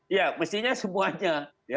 iya mestinya semuanya